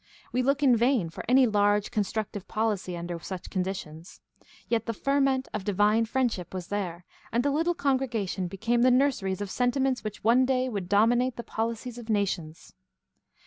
We look in vain for any large constructive policy under such conditions. Yet the ferment of divine friendship was there, and the little congregations became the nurseries of senti ments which one day would dominate the policies of nations.